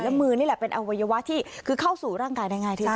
มือนี่แหละเป็นอวัยวะที่คือเข้าสู่ร่างกายได้ง่ายที่สุด